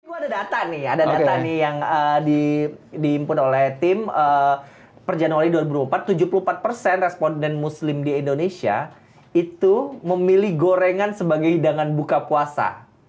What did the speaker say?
itu ada data nih ada data nih yang diimpun oleh tim per januari dua ribu empat tujuh puluh empat persen responden muslim di indonesia itu memilih gorengan sebagai hidangan buka puasa